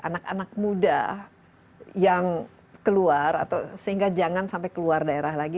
anak anak muda yang keluar atau sehingga jangan sampai keluar daerah lagi